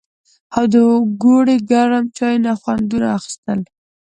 او د ګوړې ګرم چای نه خوندونه اخيستل